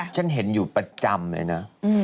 ฉันเห็นอยู่ประจำเลยนะ